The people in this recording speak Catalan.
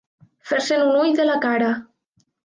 Fer-se'n un ull de la cara.